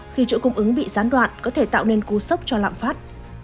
khi chỗ cung ứng bị gián đoạn có thể tạo nên cú sốc cho lạng phát